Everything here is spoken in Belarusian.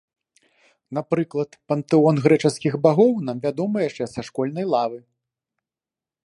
Напрыклад, пантэон грэчаскіх багоў нам вядомы яшчэ са школьнай лавы.